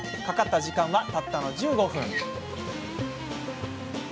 かかった時間はたったの１５分。